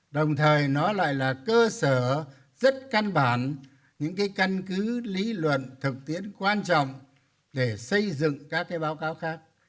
điều đầu tư lý luận thực tiễn quan trọng để xây dựng các báo cáo khác